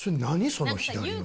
その左の。